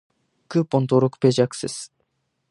クーポン登録ページへアクセス